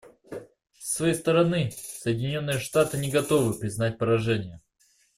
Со своей стороны, Соединенные Штаты не готовы признать поражение.